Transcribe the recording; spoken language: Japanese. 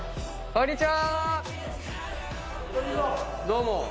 どうも。